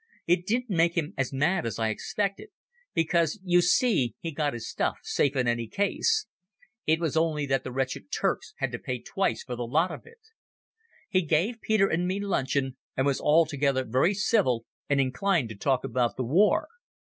It didn't make him as mad as I expected, because, you see, he got his stuff safe in any case. It was only that the wretched Turks had to pay twice for the lot of it. He gave Peter and me luncheon, and was altogether very civil and inclined to talk about the war.